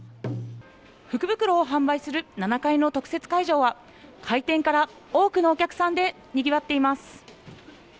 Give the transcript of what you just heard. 福袋を販売する７階の特設会場は開店から多くのお客さんでにぎわっています。